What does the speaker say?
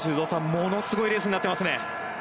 ものすごいレースになってます。